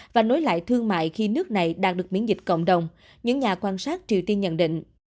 và nối lại thương mại khi nước này đạt được miễn dịch cộng đồng những nhà quan sát triều tiên nhận định